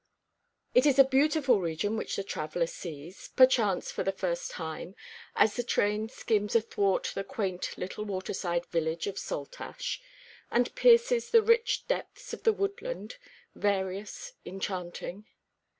It is a beautiful region which the traveller sees, perchance for the first time, as the train skims athwart the quaint little waterside village of Saltash, and pierces the rich depths of the woodland, various, enchanting.